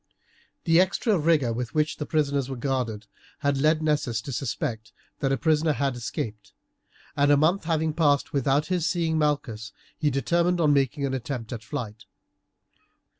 The extra rigour with which the prisoners were guarded had led Nessus to suspect that a prisoner had escaped, and a month having passed without his seeing Malchus, he determined on making an attempt at flight.